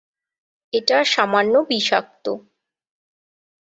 এটা সামান্য বিষাক্ত।